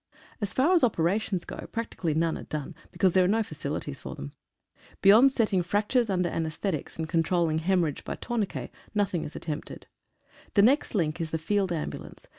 As far as operations go, practically none are done, be cause there are no facilities for them. Beyond setting fractures under anaesthetics, and controlling hemorrhage by tourniquet, nothing is attempted The next link is the Field Ambulance.